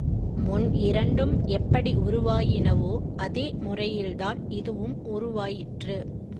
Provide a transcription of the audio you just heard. முன் இரண்டும் எப்படி உருவாயினவோ அதே முறையில்தான் இதுவும் உருவாயிற்று.